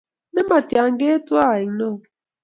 nematia keetwa aek neo